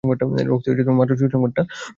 Roxie, মাত্রই সুসংবাদটা পেলাম।